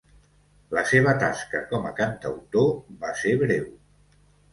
La seva tasca com a cantautor va ser breu.